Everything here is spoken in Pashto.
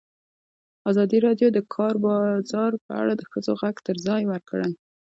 ازادي راډیو د د کار بازار په اړه د ښځو غږ ته ځای ورکړی.